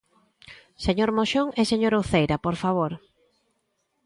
¡Señor Moxón e señora Uceira, por favor!